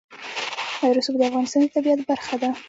رسوب د افغانستان د طبیعت برخه ده.